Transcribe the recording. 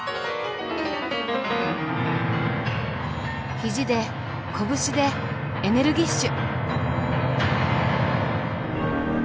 肘で拳でエネルギッシュ！